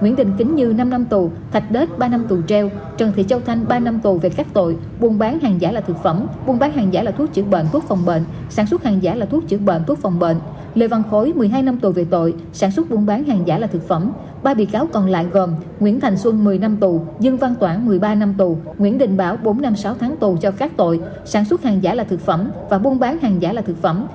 nguyễn đình bảo bốn năm sáu tháng tù cho các tội sản xuất hàng giả là thực phẩm và buôn bán hàng giả là thực phẩm